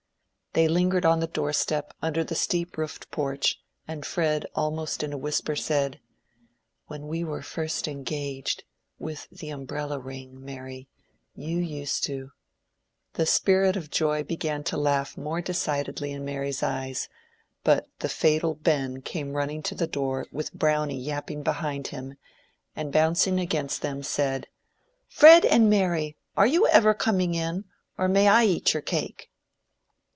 They lingered on the door step under the steep roofed porch, and Fred almost in a whisper said— "When we were first engaged, with the umbrella ring, Mary, you used to—" The spirit of joy began to laugh more decidedly in Mary's eyes, but the fatal Ben came running to the door with Brownie yapping behind him, and, bouncing against them, said— "Fred and Mary! are you ever coming in?—or may I eat your cake?"